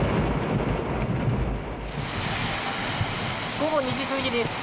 午後２時過ぎです。